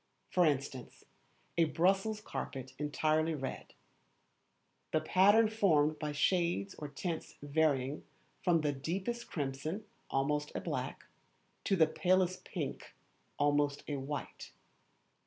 For instance, a Brussels carpet entirely red; the pattern formed by shades or tints varying from the deepest crimson (almost a black), to the palest pink (almost a white).